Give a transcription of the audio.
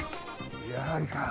やはりか！